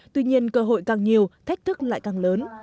tuy nhiên cơ hội càng nhiều thách thức lại càng lớn